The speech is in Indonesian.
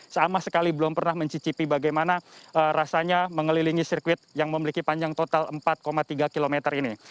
sama sekali belum pernah mencicipi bagaimana rasanya mengelilingi sirkuit yang memiliki panjang total empat tiga km ini